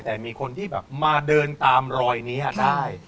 แต่มีคนที่แบบมาเดินตามรอยนี้ได้